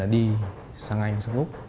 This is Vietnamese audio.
là đi sang anh sang úc